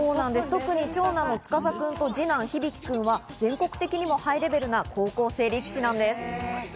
特に長男・司くんと二男・響くんは全国的にもハイレベルな高校生力士なんです。